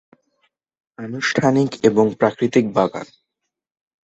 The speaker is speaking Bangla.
আনুষ্ঠানিক এবং প্রাকৃতিক বাগান।